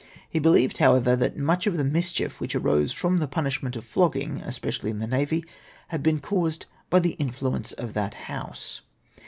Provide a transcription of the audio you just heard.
He believed, however, that much of the mischief which arose from the punishment of flogging, especially in the navy, had been caused by the in fluence of that House.